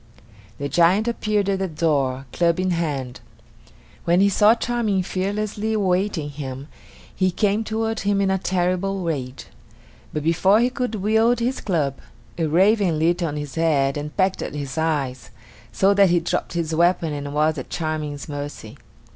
The giant appeared at the door, club in hand. When he saw Charming fearlessly awaiting him, he came toward him in a terrible rage. But before he could wield his club, a raven lit on his head and pecked at his eyes, so that he dropped his weapon and was at Charming's mercy.